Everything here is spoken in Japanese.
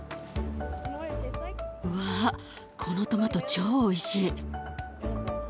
わこのトマト超おいしい。